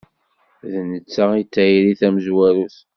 D netta i d tayri-s tamezwarut.